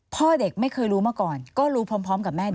พ่อเด็กไม่เคยรู้มาก่อนก็รู้พร้อมกับแม่เด็ก